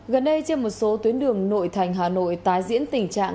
gần đây trên một số tuyến đường nội thành hà nội tái diễn tình trạng